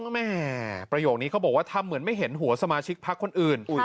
แม่ประโยคนี้เขาบอกว่าทำเหมือนไม่เห็นหัวสมาชิกพักคนอื่น